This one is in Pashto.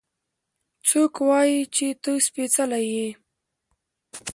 څوک وايي چې ته سپېڅلې يې؟